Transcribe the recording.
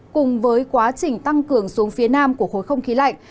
cùng với quá trình tăng cường xuống phía nam của khối không khí lạnh